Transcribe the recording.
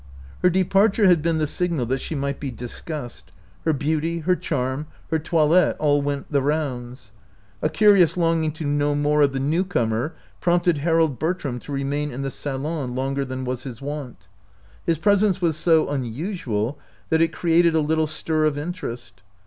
Her departure had been the signal that she might be discussed. Her beauty, her charm, her toilet all went the rounds. A curious longing to know more of the new comer prompted Harold Bertram to remain in the salon longer than was his wont. His presence was so unusual that it created a little stir of interest.